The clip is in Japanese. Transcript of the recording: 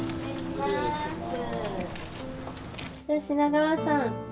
品川さん